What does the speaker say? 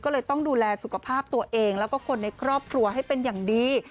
ก็เลยต้องดูแลสุขภาพตัวเองแล้วก็คนในครอบครัวให้เป็นอย่างดี